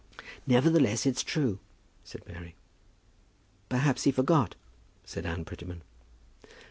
"Nevertheless, it's true," said Mary. "Perhaps he forgot," said Anne Prettyman.